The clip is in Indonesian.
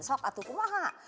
sok atuh kumaha